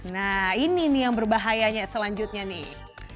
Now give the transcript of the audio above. nah ini nih yang berbahayanya selanjutnya nih